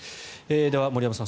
では、森山さん